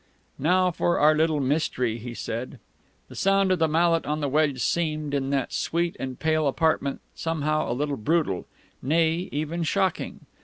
"Now for our little mystery " he said. The sound of the mallet on the wedge seemed, in that sweet and pale apartment, somehow a little brutal nay, even shocking.